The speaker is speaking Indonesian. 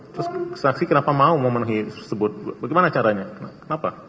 terus saksi kenapa mau memenuhi tersebut bagaimana caranya kenapa